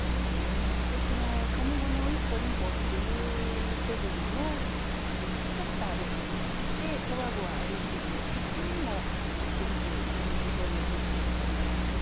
でこの上五の「一歩二歩」っていう筋にもすたすた歩くんじゃなくってこわごわ歩いてる様子っていうのもすごくうまく表現できてると思います。